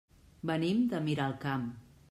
Venim de Miralcamp.